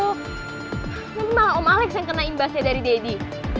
tapi malah om alex yang kena imbasnya dari deddy